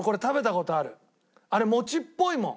あれ餅っぽいもん